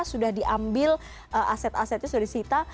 sudah diambil aset asetnya sudah disita